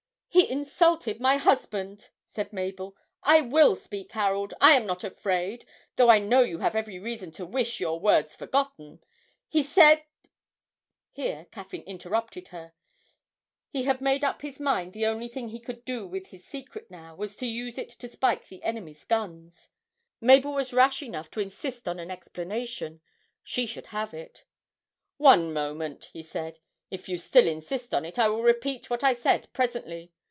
'He insulted my husband,' said Mabel. 'I will speak, Harold, I am not afraid, though I know you have every reason to wish your words forgotten. He said ' Here Caffyn interrupted her: he had made up his mind the only thing he could do with his secret now was to use it to spike the enemy's guns. Mabel was rash enough to insist on an explanation: she should have it. 'One moment,' he said. 'If you still insist on it, I will repeat what I said presently.